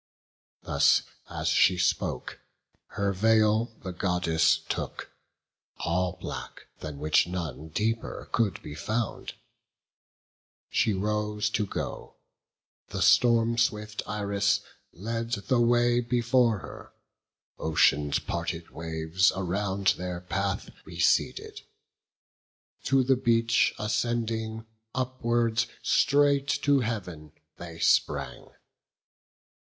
Thus as she spoke, her veil the Goddess took, All black, than which none deeper could be found; She rose to go; the storm swift Iris led The way before her; ocean's parted waves Around their path receded; to the beach Ascending, upwards straight to Heav'n they sprang.